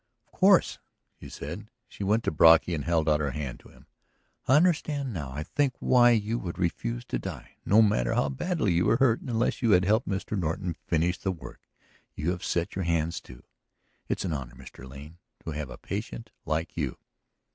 "Of course," she said. She went to Brocky and held out her hand to him. "I understand now, I think, why you would refuse to die, no matter how badly you were hurt, until you had helped Mr. Norton finish the work you have set your hands to. It's an honor, Mr. Lane, to have a patient like you."